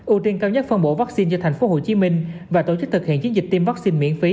ưu tiên cao nhất phân bổ vaccine cho tp hcm và tổ chức thực hiện chiến dịch tiêm vaccine miễn phí